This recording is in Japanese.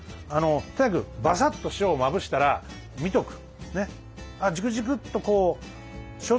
とにかくバサッと塩をまぶしたら見とく。